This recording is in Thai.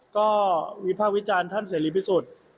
ก็วิภาควิจารณ์ท่านเสรีพิสุทธิ์